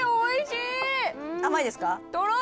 甘いですか？